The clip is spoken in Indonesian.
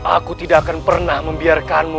aku tidak akan pernah membiarkanmu